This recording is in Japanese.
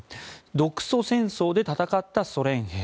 独ソ戦争で戦ったソ連兵。